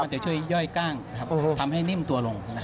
มันจะช่วยย่อยกล้างนะครับทำให้นิ่มตัวลงนะครับ